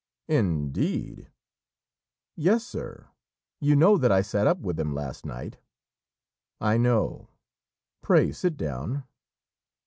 "Indeed!" "Yes, sir; you know that I sat up with him last night." "I know. Pray sit down."